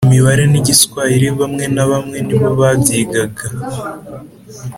imibare n'igiswahili bamwe na bamwe nibo babyigaga.